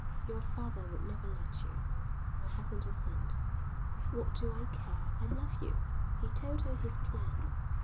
Your father would never let you. I haven't a cent." "What do I care? I love you." He told her his plans.